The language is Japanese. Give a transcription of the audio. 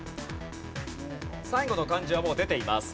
最後の漢字はもう出ています。